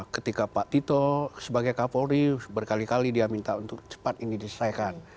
ketika pak tito sebagai kapolri berkali kali dia minta untuk cepat ini diselesaikan